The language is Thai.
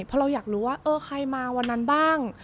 เพราะเราอยากรู้ว่าเออใครมาวันนั้นบ้าง